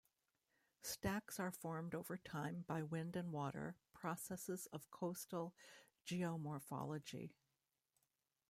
Stacks are formed over time by wind and water, processes of coastal geomorphology.